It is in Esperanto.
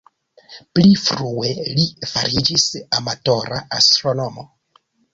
Pli malfrue li fariĝis amatora astronomo.